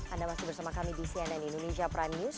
anda masih bersama kami di cnn indonesia prime news